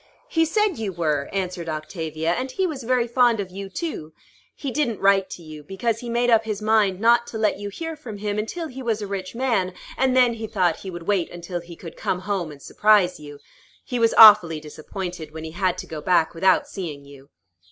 "He said you were," answered Octavia; "and he was very fond of you too. He didn't write to you, because he made up his mind not to let you hear from him until he was a rich man; and then he thought he would wait until he could come home, and surprise you. He was awfully disappointed when he had to go back without seeing you."